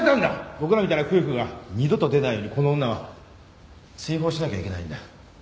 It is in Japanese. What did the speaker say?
僕らみたいな夫婦が二度と出ないようにこの女は追放しなきゃいけないんだ。